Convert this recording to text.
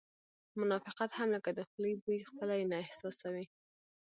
منافقت هم لکه د خولې بوی خپله یې نه احساسوې